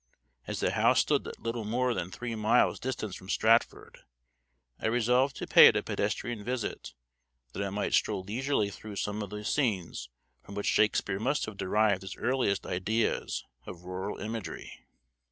As the house stood at little more than three miles' distance from Stratford, I resolved to pay it a pedestrian visit, that I might stroll leisurely through some of those scenes from which Shakespeare must have derived his earliest ideas of rural imagery.